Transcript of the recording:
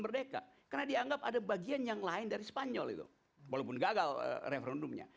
merdeka karena dianggap ada bagian yang lain dari spanyol itu walaupun gagal referendumnya